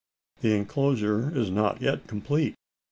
The enclosure is not yet complete.